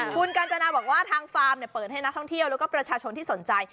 คุณกัญจนาบอกว่าทางฟาร์มเนี่ยเปิดให้นักท่องเที่ยว